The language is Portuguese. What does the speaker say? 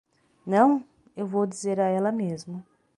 Não? eu vou dizer a ela mesmo.